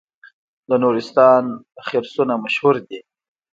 د نورستان خرسونه مشهور دي